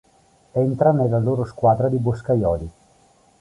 Entra nella loro squadra di boscaioli.